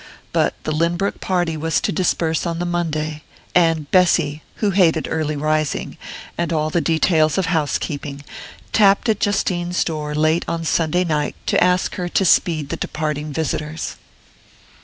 But the Lynbrook party was to disperse on the Monday; and Bessy, who hated early rising, and all the details of housekeeping, tapped at Justine's door late on Sunday night to ask her to speed the departing visitors.